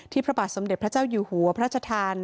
พระบาทสมเด็จพระเจ้าอยู่หัวพระชธาน